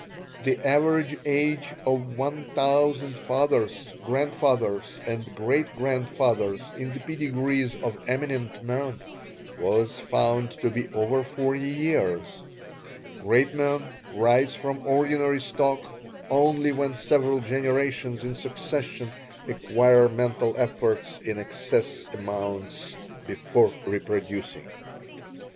The average age of one thousand fathers, grandfathers, and great grandfathers in the pedigrees of eminent men was found to be over forty years. Great men rise from ordinary stock only when several generations in succession acquire mental efforts in excess amounts before reproducing."